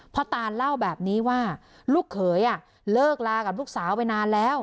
ตานเล่าแบบนี้ว่าลูกเขยเลิกลากับลูกสาวไปนานแล้ว